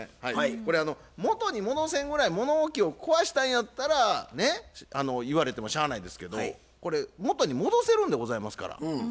これ元に戻せんぐらい物置を壊したんやったらね言われてもしゃあないですけどこれ元に戻せるんでございますから。